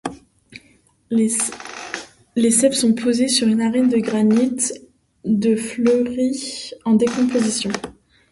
Les ceps sont posés sur une arène de granite de Fleurie en décomposition.